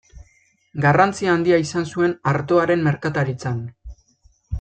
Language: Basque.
Garrantzi handia izan zuen artoaren merkataritzan.